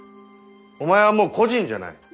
お前はもう個人じゃない。